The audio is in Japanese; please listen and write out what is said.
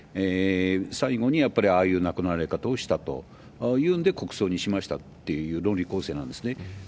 最後に、やっぱりああいう亡くなられ方をしたというんで、国葬にしましたっていう論理構成なんですね。